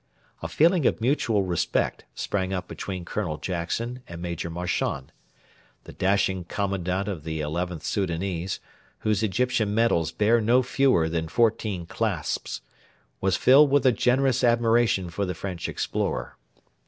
A feeling of mutual respect sprang up between Colonel Jackson and Major Marchand. The dashing commandant of the XIth Soudanese, whose Egyptian medals bear no fewer than fourteen clasps, was filled with a generous admiration for the French explorer.